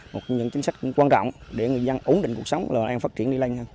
một trong những chính sách quan trọng để người dân ổn định cuộc sống và an phát triển đi lanh hơn